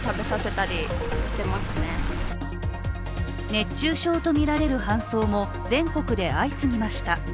熱中症とみられる搬送も全国で相次ぎました。